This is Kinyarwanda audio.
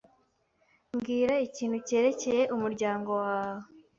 Mbwira ikintu cyerekeye umuryango wawe.